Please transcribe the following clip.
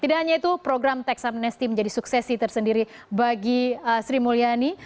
tidak hanya itu program teks amnesty menjadi suksesi tersendiri bagi sri mulyani